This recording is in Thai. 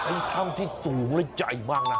ไอ้ข้าวที่สูงในใจมากนะ